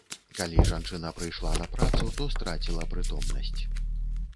Калі жанчына прыйшла на працу, то страціла прытомнасць.